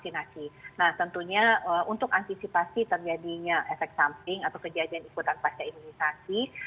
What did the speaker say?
nah tentunya untuk antisipasi terjadinya efek samping atau kejadian ikutan pasca imunisasi